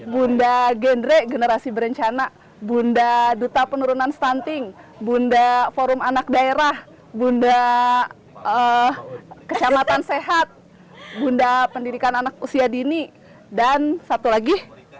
bunda gendre generasi berencana bunda duta penurunan stunting bunda forum anak daerah bunda kecamatan sehat bunda pendidikan anak usia dini dan satu lagi